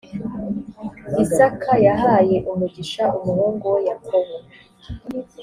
isaka yahaye umugisha umuhungu we yakobo